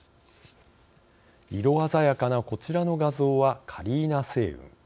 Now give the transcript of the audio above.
色鮮やかなこちらの画像はカリーナ星雲。